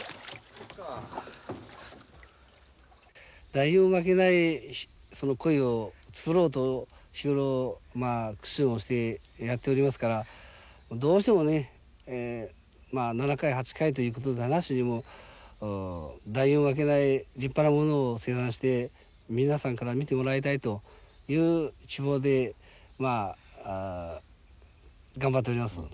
誰にも負けない鯉を作ろうと日頃まあ苦心をしてやっておりますからどうしてもね７回８回ということじゃなしに誰にも負けない立派なものを生産して皆さんから見てもらいたいという希望でまあ頑張っております。